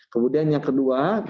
kemudian yang kedua